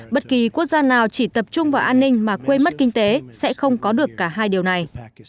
bất kỳ quốc gia nào chỉ tập trung vào an ninh mà quên mất kinh tế sẽ không có được cả hai điều này